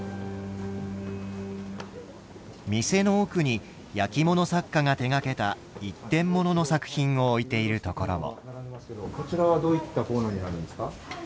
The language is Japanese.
店の奥に焼き物作家が手がけた一点ものの作品を置いているところも。